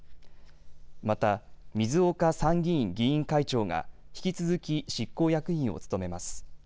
また、水岡参議院議員会長が引き続き執行役員を務めます。